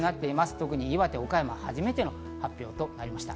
特に岩手、岡山は初めての発表となりました。